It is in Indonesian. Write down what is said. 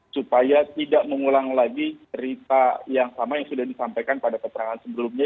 supaya tidak mengulang lagi cerita yang sama yang sudah disampaikan pada keterangan sebelumnya